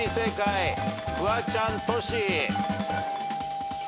フワちゃんトシ。